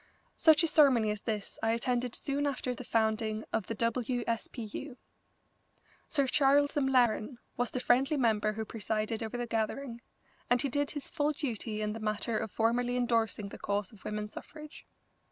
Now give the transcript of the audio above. Such a ceremony as this I attended soon after the founding of the W. S. P. U. Sir Charles M'Laren was the friendly member who presided over the gathering, and he did his full duty in the matter of formally endorsing the cause of women's suffrage.